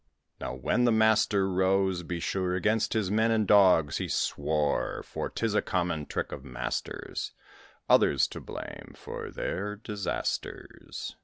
Now when the Master rose, be sure Against his men and dogs he swore, For 'tis a common trick of masters Others to blame for their disasters.